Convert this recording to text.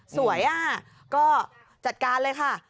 สวยก็จัดการเลยค่ะ